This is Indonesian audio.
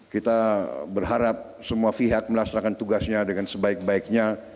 kita berharap semua pihak melaksanakan tugasnya dengan sebaik baiknya